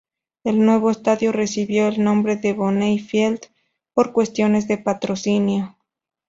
El nuevo estadio recibió el nombre de Bonney Field por cuestiones de patrocinio.